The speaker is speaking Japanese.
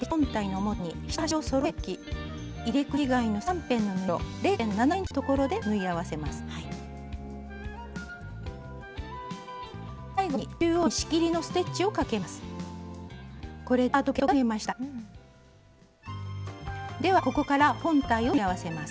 最後に中央に仕切りのステッチをかけます。